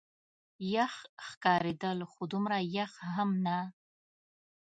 یخ ښکارېدل، خو دومره یخ هم نه.